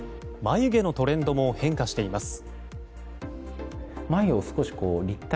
眉毛のトレンドも変化しています。